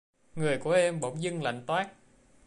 Người của em bỗng dưng lạnh toát